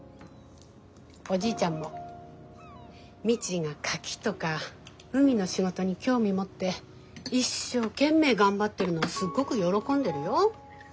おじいちゃんも未知がカキとか海の仕事に興味持って一生懸命頑張ってるのすっごく喜んでるよ？